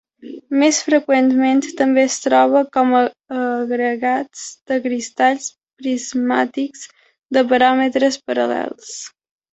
Més freqüentment també es troba com a agregats de cristalls prismàtics de paràmetres paral·lels.